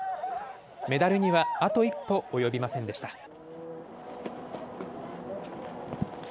メダルにはあと一歩及びませんでした。